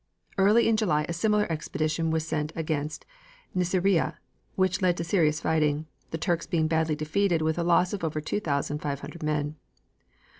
Early in July a similar expedition was sent against Nasiriyeh, which led to serious fighting, the Turks being badly defeated with a loss of over two thousand five hundred men.